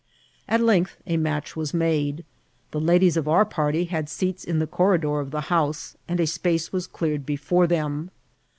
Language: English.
At length a match was made ; the ladies of our party had seats in the cor ridor of the house, and a space was cleared before them.